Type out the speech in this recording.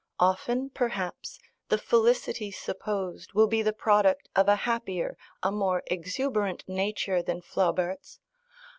Often, perhaps, the felicity supposed will be the product of a happier, a more exuberant nature than Flaubert's.